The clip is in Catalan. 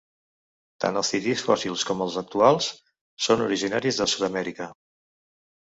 Tant els titís fòssils com els actuals són originaris de Sud-amèrica.